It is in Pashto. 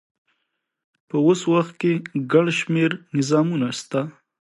په اوس وخت کښي ګڼ شمېر نظامونه سته.